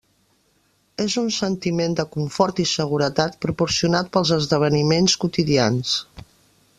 És un sentiment de confort i seguretat proporcionat pels esdeveniments quotidians.